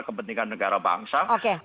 kepentingan negara bangsa